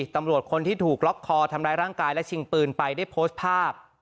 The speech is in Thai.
ตำรวจคนที่ถูกล็อกคอทำร้ายร่างกายและชิงปืนไปได้โพสต์ภาพ